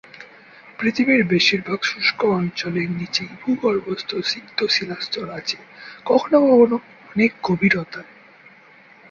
পৃথিবীর বেশিরভাগ শুষ্ক অঞ্চলের নিচেই ভূগর্ভস্থ সিক্ত শিলাস্তর আছে, কখনো কখনো অনেক গভীরতায়।